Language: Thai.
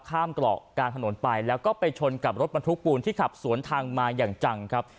กรอกกลางถนนไปแล้วก็ไปชนกับรถบรรทุกปูนที่ขับสวนทางมาอย่างจังครับ